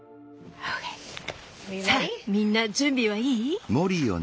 さあみんな準備はいい？